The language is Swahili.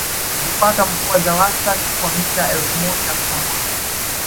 Hupata mvua za wastani wa milimita elfu moja kwa mwaka